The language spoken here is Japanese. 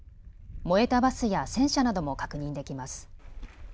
燃えたバスや戦車なども確認できます。